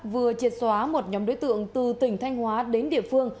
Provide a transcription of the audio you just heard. vừa triệt xóa một nhóm đối tượng từ tỉnh thanh hóa đến địa phương